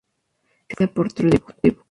Fue precedida por "Trudy Bot.